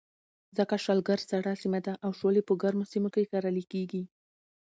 ځکه شلګر سړه سیمه ده او شولې په ګرمو سیمو کې کرلې کېږي.